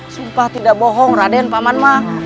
sumpah tidak bohong raden pak man mak